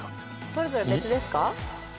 それぞれ別ですか？